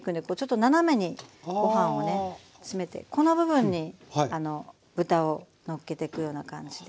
ご飯をね詰めてこの部分に豚をのっけていくような感じで。